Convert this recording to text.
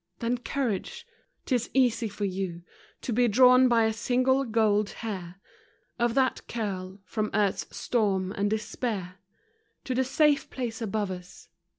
Then courage. 'T is easy for you To be drawn by a single gold hair Of that curl, from earth's storm and despair, To the safe place above us.